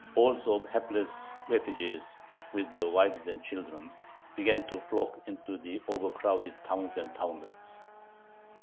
Hordes of hapless refugees, with their wives and children, began to flock into the overcrowded towns and townlets.